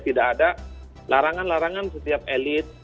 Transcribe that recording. tidak ada larangan larangan setiap elit